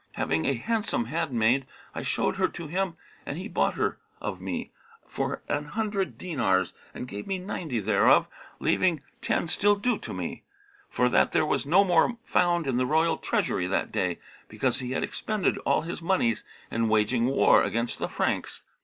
Having a handsome handmaid I showed her to him and he bought her of me for an hundred dinars and gave me ninety thereof, leaving ten still due to me, for that there was no more found in the royal treasury that day, because he had expended all his monies in waging war against the Franks.